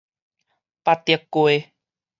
八德街